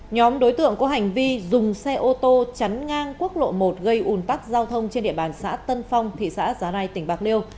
nhóm đối tượng có hành vi dùng xe ô tô chắn ngang quốc lộ một gây ủn tắc giao thông trên địa bàn xã tân phong thị xã giá rai tỉnh bạc liêu